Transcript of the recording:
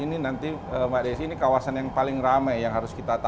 ini nanti mbak desi ini kawasan yang paling ramai yang harus kita tata